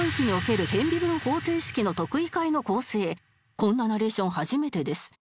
こんなナレーション初めてです